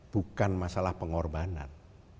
bukan masalah pengorbanan